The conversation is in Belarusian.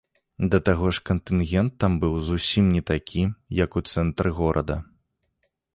Да таго ж кантынгент там быў зусім не такі, як у цэнтры горада.